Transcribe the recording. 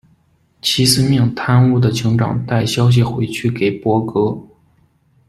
齐森命贪污的警长带消息回去给柏格。